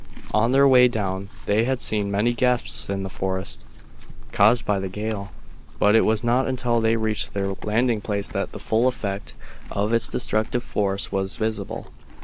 On their way down they had seen many gaps in the forest caused by the gale, but it was not until they reached their landing place that the full effect of its destructive force was visible.